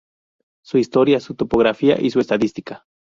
Su historia, su topografía y su estadística.